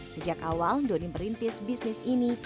sejak awal doni merintis bisnis ini